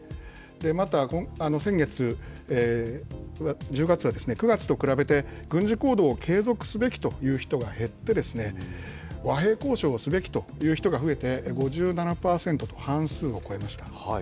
また、先月・１０月は９月と比べて、軍事行動を継続すべきという人が減って、和平交渉をすべきという人が増えて、５７％と半数を超えました。